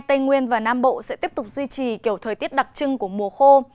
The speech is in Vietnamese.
tây nguyên và nam bộ sẽ tiếp tục duy trì kiểu thời tiết đặc trưng của mùa khô